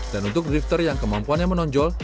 dan untuk drifter yang kemampuannya menonjol